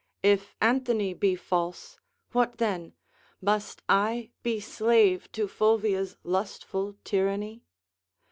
If Anthony be false, what then? must I Be slave to Fulvia's lustful tyranny?